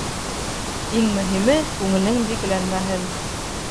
Иң мөһиме - күңелең бикләнмәһен.